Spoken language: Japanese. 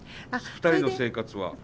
２人の生活は。